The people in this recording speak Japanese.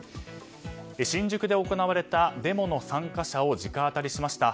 新宿で行われたデモの参加者を直アタリしました。